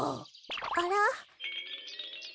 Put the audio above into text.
あら？